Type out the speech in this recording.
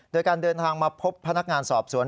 โดยการเดินทางมาพบพนักงานสอบสวน